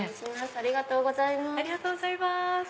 ありがとうございます。